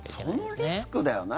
そのリスクだよな。